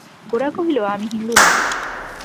গোরা কহিল, আমি হিন্দু নই।